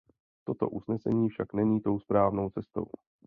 Toto usnesení však není tou správnou cestou.